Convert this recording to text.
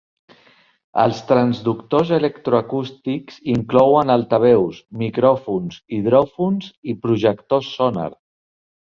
Els transductors electroacústics inclouen altaveus, micròfons, hidròfons i projectors sonar.